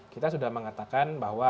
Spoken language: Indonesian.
kita sudah mengatakan bahwa